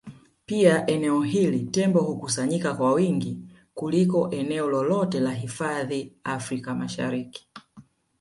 Pia eneo hili Tembo hukusanyika kwa wingi kuliko eneo lolote la hifadhi Afrika Mashariki